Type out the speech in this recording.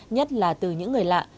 nhất là từ những người lạ